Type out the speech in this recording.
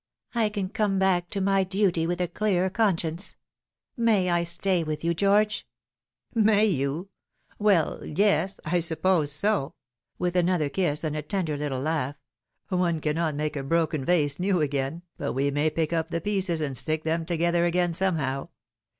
I can come back to my duty with a clear conscience. May I stay with you, George ?"" May you ? Well, yes ; I suppose so," with another kiss and a tender little laugh. " One cannot make a broken vase new again, but we may pick up the pieces and stick them toge ther again somehow.